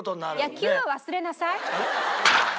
野球は忘れなさい。